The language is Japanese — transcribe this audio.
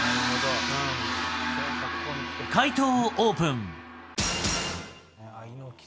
解答をオープン。